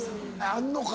あんのか？